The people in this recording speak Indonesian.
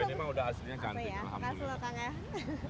oh ini memang udah hasilnya cantik